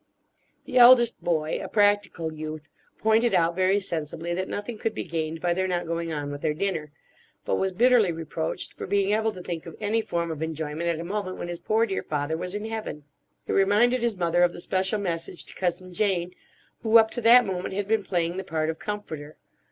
The eldest boy, a practical youth, pointed out, very sensibly, that nothing could be gained by their not going on with their dinner, but was bitterly reproached for being able to think of any form of enjoyment at a moment when his poor dear father was in heaven. It reminded his mother of the special message to Cousin Jane, who up to that moment had been playing the part of comforter.